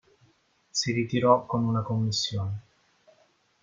Si ritirò con una commissione.